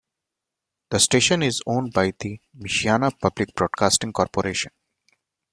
The station is owned by the Michiana Public Broadcasting Corporation.